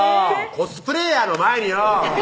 コスプレーヤーの前によぉ！